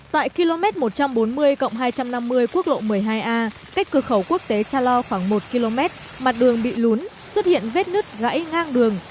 tại km một trăm bốn mươi hai trăm năm mươi quốc lộ một mươi hai a cách cửa khẩu quốc tế cha lo khoảng một km mặt đường bị lún xuất hiện vết nứt gãy ngang đường